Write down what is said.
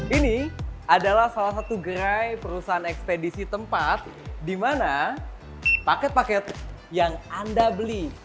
ini adalah salah satu gerai perusahaan ekspedisi tempat di mana paket paket yang anda beli